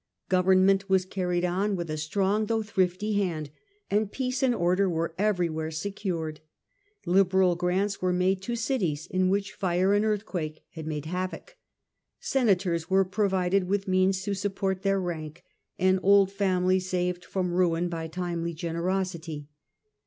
Government was carried on with a strong though But the thrifty hand, and peace and ordei were eveiy was ^ where secured. Liberal grants were made to public cities in which fire and earthquake had made objects. havoc ; senators were provided with means to support their rank, and old families saved from ruin by timely generosity.